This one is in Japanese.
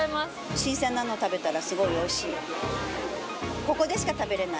新鮮なものを食べたら、すごいおいしい。